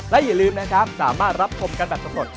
และอย่าลืมนะครับสามารถรับชมกันแบบสำรวจ